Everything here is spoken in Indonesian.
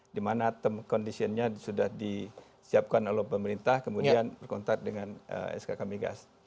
dimana term conditionnya sudah disiapkan oleh pemerintah kemudian berkontrak dengan skk migas